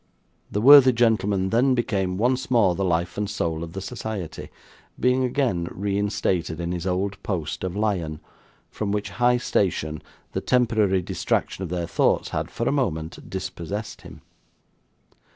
The worthy gentleman then became once more the life and soul of the society; being again reinstated in his old post of lion, from which high station the temporary distraction of their thoughts had for a moment dispossessed him.